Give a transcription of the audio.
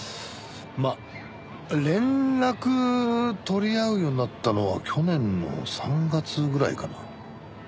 まあ連絡取り合うようになったのは去年の３月ぐらいかな。